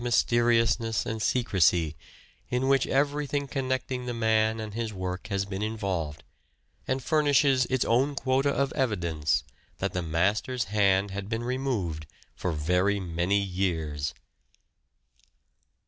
mysteriousness and secrecy, in which everything connecting the man and his work has been involved, and furnishes its own quota of evidence that the master's hand had been removed for very many years.